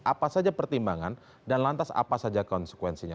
apa saja pertimbangan dan lantas apa saja konsekuensinya